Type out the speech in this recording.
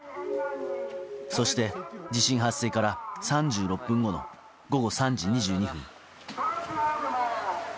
そして、地震発生から３６分後の午後３時２２分。